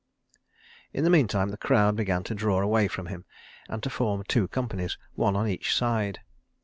In the meantime the crowd began to draw away from him and to form two companies, one on each side.